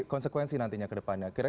oleh karena sudah akhirnya tidez